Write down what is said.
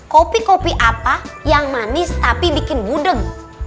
kopi kopi apa yang manis tapi bikin gudeg